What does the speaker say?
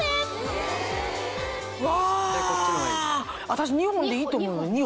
私２本でいいと思うよ２本。